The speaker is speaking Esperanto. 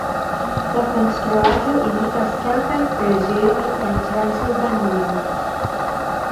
La konstruaĵo imitas kelkajn preĝejojn en Transilvanio.